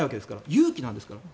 有期なんですから。